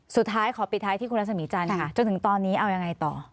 สุดท้ายขอปิดท้ายที่คุณรัศมีจันทร์ค่ะจนถึงตอนนี้เอายังไงต่อ